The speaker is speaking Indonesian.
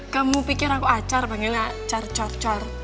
kamu pikir aku acar panggil gak acar car car